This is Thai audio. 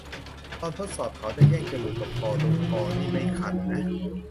ตอนทดสอบเขาจะแย่ง จมูกกับคอ ตรงคอนี่ไม่คันนะ